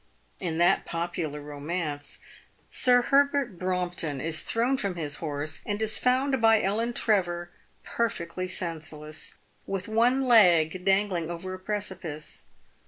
In that popular romance, Sir Herbert Brompton is thrown from his horse, and is found by Ellen Trevor perfectly sense less, with one leg dangling over a precipice.